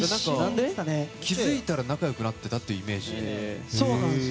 気づいたら仲良くなってたというイメージです。